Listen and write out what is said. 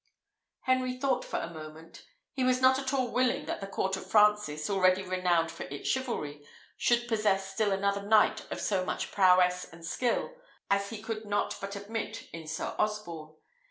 Henry thought for a moment. He was not at all willing that the court of Francis, already renowned for its chivalry, should possess still another knight of so much prowess and skill as he could not but admit in Sir Osborne.